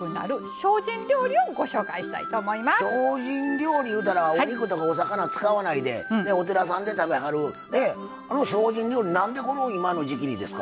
精進料理いうたらお肉とかお魚を使わないでお寺さんで食べはるあの精進料理なんで、今の時季にですか？